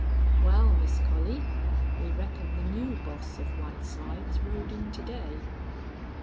"Wal, Miss Collie, we reckon the new boss of White Slides rode in to day."